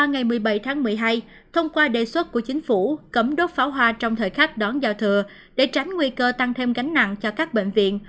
ngày một mươi bảy tháng một mươi hai thông qua đề xuất của chính phủ cấm đốt pháo hoa trong thời khắc đón giao thừa để tránh nguy cơ tăng thêm gánh nặng cho các bệnh viện